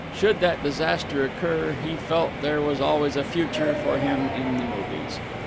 Should that disaster occur, he felt there was always a future for him in the movies.